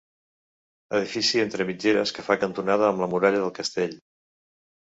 Edifici entre mitgeres que fa cantonada amb la Muralla del Castell.